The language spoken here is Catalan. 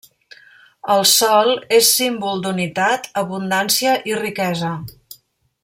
El sol és símbol d'unitat, abundància i riquesa.